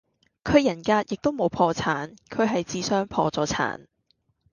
佢人格亦都冇破產，佢系智商破咗產